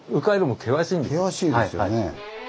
険しいですよね。